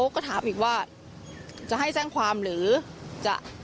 โทรศัพท์โทรศัพท์โทรศัพท์